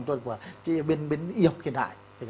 của bên yêu hiện hại